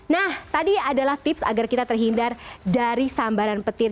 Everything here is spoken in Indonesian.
nah tadi adalah tips agar kita terhindar dari sambaran petir